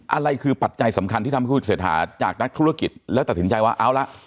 อะไรคือปัจจัยสำคัญที่ทำให้คุณเศรษฐาจากนักธุรกิจแล้วตัดสินใจว่าเอาละ